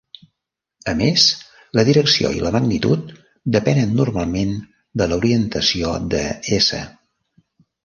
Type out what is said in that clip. A més, la direcció i la magnitud depenen normalment de l'orientació de "S".